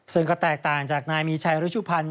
ซึ่งก็แตกต่างจากนายมีชัยรุชุพันธ์